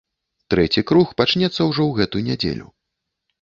Трэці круг пачнецца ўжо ў гэту нядзелю.